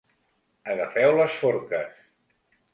Agafeu les forques!